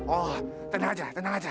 oh tenang aja tenang aja